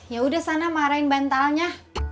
yaudah sana marahin bantalnya